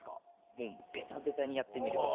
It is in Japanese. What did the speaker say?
もうベタベタにやってみるとか。